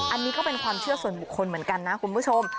อันนี้ก็เป็นความเชื่อส่วนบุคคลเหมือนกันนะคุณผู้ชม